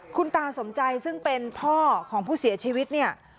คุณตาสมใจซึ่งเป็นพ่อของผู้เสียชีวิตเนี่ย